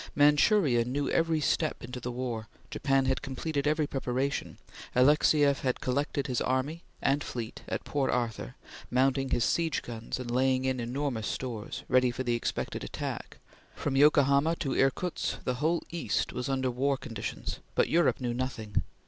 Manchuria knew every step into war; Japan had completed every preparation; Alexeieff had collected his army and fleet at Port Arthur, mounting his siege guns and laying in enormous stores, ready for the expected attack; from Yokohama to Irkutsk, the whole East was under war conditions; but Europe knew nothing.